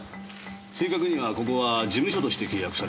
正確にはここは事務所として契約されています。